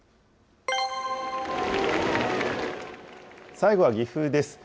最後は岐阜です。